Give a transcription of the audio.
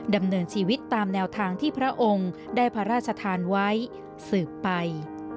ดำเนินชีวิตตามแนวทางที่พระองค์ได้พระราชทานไว้สืบไป